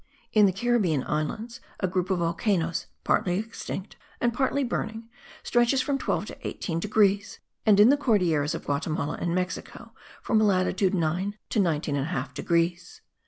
In the Caribbean Islands, a group of volcanoes, partly extinct and partly burning, stretches from 12 to 18 degrees; and in the Cordilleras of Guatimala and Mexico from latitude 9 to 19 1/2 degrees.